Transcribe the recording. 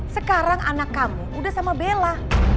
sekarang anak kamu udah sama bella